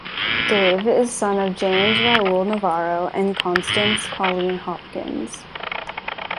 Dave is son of James Raul Navarro and Constance Colleen Hopkins.